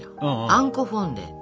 あんこフォンデュ。